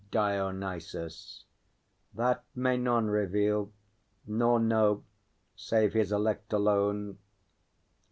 DIONYSUS. That may none Reveal, nor know, save his Elect alone.